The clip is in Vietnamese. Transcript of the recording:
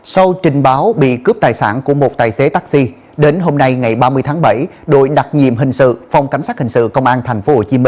sau trình báo bị cướp tài sản của một tài xế taxi đến hôm nay ngày ba mươi tháng bảy đội đặc nhiệm hình sự phòng cảnh sát hình sự công an tp hcm